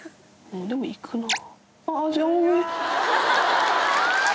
でも行くな。